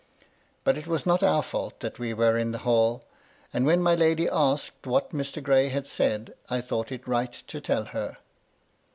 But it was not our fault that we were in the hall, and when my lady asked what Mr. Gray had said, I thought it right to tell her.